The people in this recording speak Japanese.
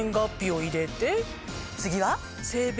次は！